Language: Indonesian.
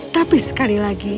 tapi sekali lagi